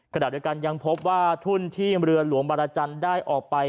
ขณะเดียวกันยังพบว่าทุ่นที่เรือหลวงบารจันทร์ได้ออกไป